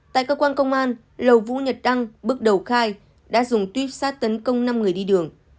tại cơ quan công an lầu vũ nhật đăng bước đầu khai đã dùng tuyếp sát tấn công năm người đi đường